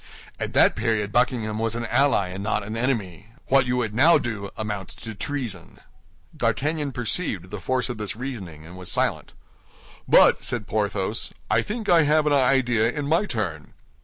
At that period Buckingham was an ally, and not an enemy. What you would now do amounts to treason." D'Artagnan perceived the force of this reasoning, and was silent. "But," said Porthos, "I think I have an idea, in my turn."